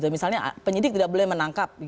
misalnya penyidik tidak boleh menangkap